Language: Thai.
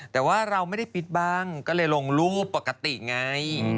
แต่ว่าเราไม่ได้ปิดบ้างก็เลยลงรูปปกติไง